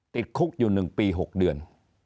ติดคุกอยู่๑ปี๖เดือน